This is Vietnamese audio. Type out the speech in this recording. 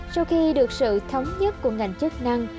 sau khi được sự thống nhất của ngành chức năng